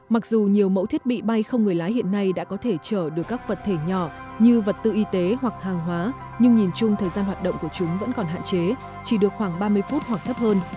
mặc dù nhiều mẫu thiết bị bay không người lái hiện nay đã có thể chở được các vật thể nhỏ như vật tư y tế hoặc hàng hóa nhưng nhìn chung thời gian hoạt động của chúng vẫn còn hạn chế chỉ được khoảng ba mươi phút hoặc thấp hơn